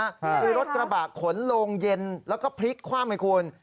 นี่อะไรคะคือรถกระบะขนโลงเย็นแล้วก็พลิกขว้ามให้ควร